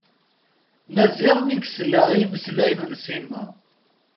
Maziɣ mi yesla i yimeslayen n Sima.